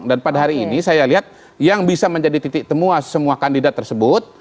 dan pada hari ini saya lihat yang bisa menjadi titik temua semua kandidat tersebut